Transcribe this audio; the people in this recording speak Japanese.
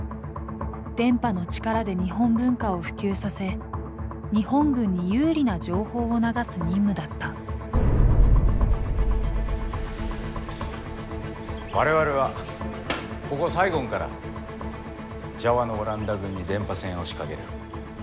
電波の力で日本文化を普及させ日本軍に有利な情報を流す任務だった我々はここサイゴンからジャワのオランダ軍に電波戦を仕掛ける。